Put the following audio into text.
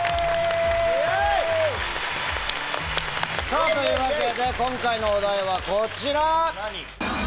さぁというわけで今回のお題はこちら！